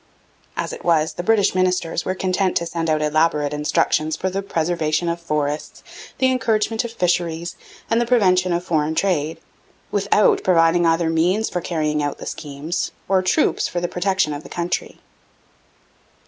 As it was, the British ministers were content to send out elaborate instructions for the preservation of forests, the encouragement of fisheries and the prevention of foreign trade, without providing either means for carrying out the schemes, or troops for the protection of the country.